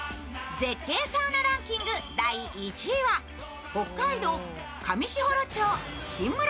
絶景サウナランキング第１位は北海道上士幌町しんむら